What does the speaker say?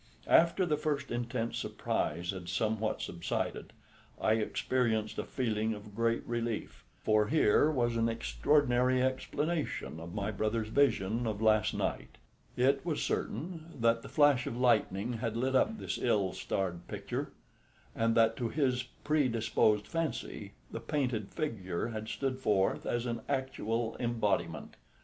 After the first intense surprise had somewhat subsided, I experienced a feeling of great relief, for here was an extraordinary explanation of my brother's vision of last night. It was certain that the flash of lightning had lit up this ill starred picture, and that to his predisposed fancy the painted figure had stood forth as an actual embodiment.